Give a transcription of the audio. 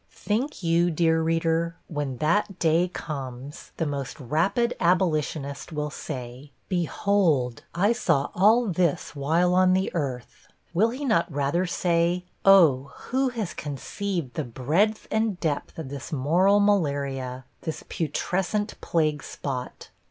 Think you, dear reader, when that day comes, the most 'rapid abolitionist' will say 'Behold, I saw all this while on the earth?' Will he not rather say, 'Oh, who has conceived the breadth and depth of this moral malaria, this putrescent plague spot?'